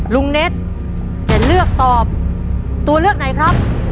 เน็ตจะเลือกตอบตัวเลือกไหนครับ